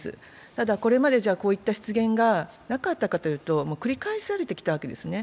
ただ、これまでこういった失言がなかったかというと、繰り返されてきたわけですね。